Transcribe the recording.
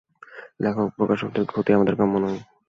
লেখক, প্রকাশকদের ক্ষতি আমাদের কাম্য নয়।